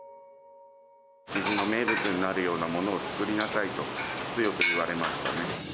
築地の名物になるようなものを作りなさいと、強く言われましたね。